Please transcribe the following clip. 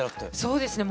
そうですね。